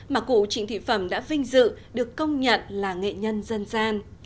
mà cụ trịnh thị phẩm đã vinh dự được công nhận là nghệ nhân dân gian